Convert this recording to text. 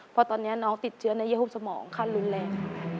เพราะตอนนี้น้องติดเชื้อในเยีหุบสมองขั้นรุนแรงค่ะ